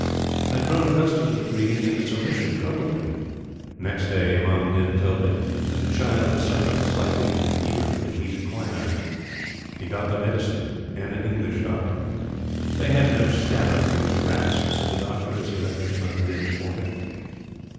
I had grown accustomed to the greeting, and its omission troubled me. Next day, Imam Din told me that the child was suffering slightly from fever and needed quinine. He got the medicine, and an English Doctor. "They have no stamina, these brats," said the Doctor, as he left Imam Din's quarters.